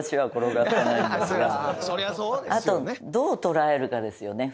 あとどう捉えるかですよね